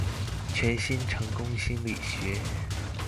全新成功心理學